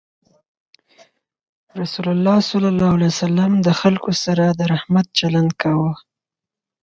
رسول الله صلى الله عليه وسلم د خلکو سره د رحمت چلند کاوه.